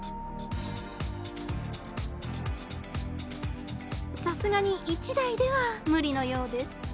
さすがに１台では無理のようです。